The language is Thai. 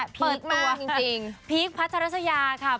เปิดตัวจริงพีคพัชรสยาค่ะ